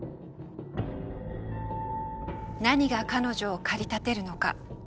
何が彼女を駆り立てるのか？